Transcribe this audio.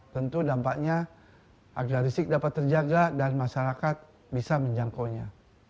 tentu dampaknya harga listrik dapat terjaga dan masyarakat bisa menjangkau nya